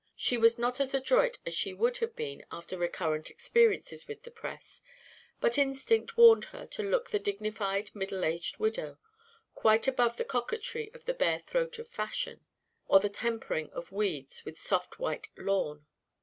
She was not as adroit as she would have been after recurrent experiences with the press, but instinct warned her to look the dignified middle aged widow, quite above the coquetry of the bare throat of fashion, or of tempering her weeds with soft white lawn.